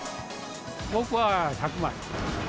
僕は１００枚。